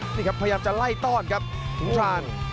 พยายามจะไล่ต้อนครับหุงทราน